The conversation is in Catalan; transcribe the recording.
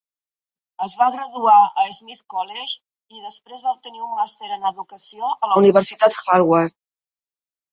Es va graduar a Smith College i després va obtenir un Màster en Educació a la Universitat Harvard.